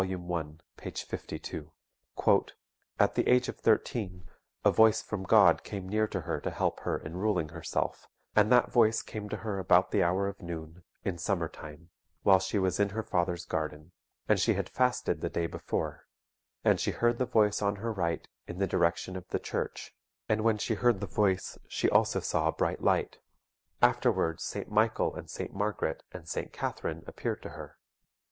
i. p. 52.] "At the age of thirteen, a voice from God came near to her to help her in ruling herself, and that voice came to her about the hour of noon, in summer time, while she was in her father's garden. And she had fasted the day before. And she heard the voice on her right, in the direction of the church; and when she heard the voice she also saw a bright light. Afterwards, St. Michael and St. Margaret and St. Catherine appeared to her.